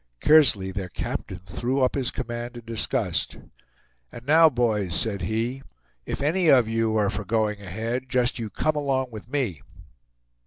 Kearsley, their captain, threw up his command in disgust. "And now, boys," said he, "if any of you are for going ahead, just you come along with me."